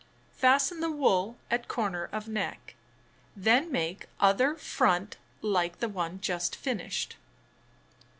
Fasten the wool at corner of neck. Then make other front hke the one just finislKd.